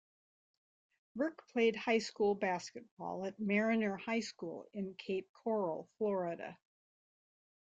Burke played high school basketball at Mariner High School, in Cape Coral, Florida.